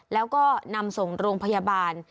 แล้วก็นำส่งโรงพยาบาล